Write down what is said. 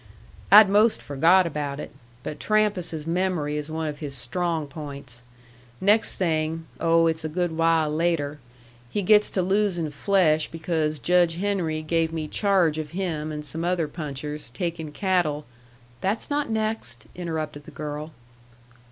"I'd most forgot about it. But Trampas's mem'ry is one of his strong points. Next thing oh, it's a good while later he gets to losin' flesh because Judge Henry gave me charge of him and some other punchers taking cattle " "That's not next," interrupted the girl.